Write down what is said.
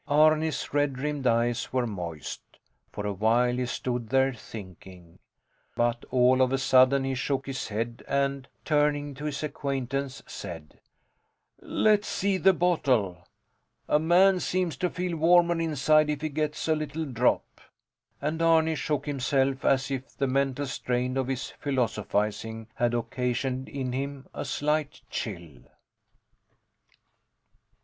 Arni's red rimmed eyes were moist. For a while he stood there thinking. But all of a sudden he shook his head and, turning to his acquaintance, said: Let's see the bottle. A man seems to feel warmer inside if he gets a little drop. And Arni shook himself as if the mental strain of his philosophizing had occasioned in him a slight chill.